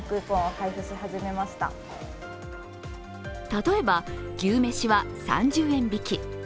例えば、牛めしは３０円引き。